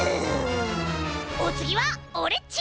おつぎはオレっち。